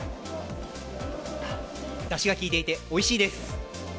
だしが効いていておいしいです。